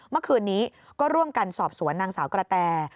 เมื่อคืนนี้ก็ร่วมกันสอบสวนนางสาวกระแต